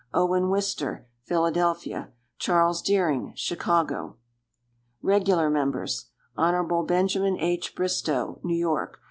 Owen Wister, Philadelphia. Charles Deering, Chicago. Regular Members. Hon. Benj. H. Bristow, New York.